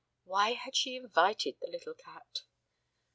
Why had she invited the little cat?